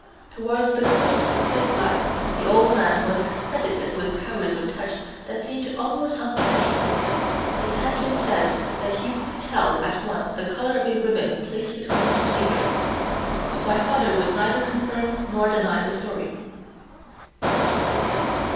Towards the close of his life the old man was credited with powers of touch that seemed almost uncanny: it has been said that he could tell at once the color of a ribbon placed between his fingers. My father would neither confirm nor deny the story.